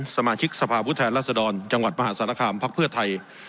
สมาชิกสภาพผู้แทนรัศดรจังหวัดมหาสารคามภักดิ์เพื่อไทย